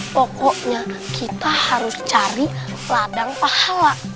pokoknya kita harus cari ladang pahala